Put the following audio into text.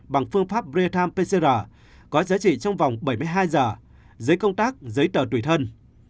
bằng phương pháp real pcr có giá trị trong vòng bảy mươi hai giờ giấy công tác giấy tờ tùy thân